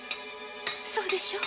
そうでしょ！？